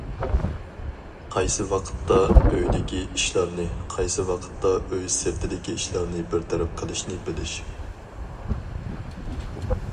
قايسى ۋاقىتتا ئۆيدىكى ئىشلارنى، قايسى ۋاقىتتا ئۆي سىرتىدىكى ئىشلارنى بىر تەرەپ قىلىشنى بىلىش.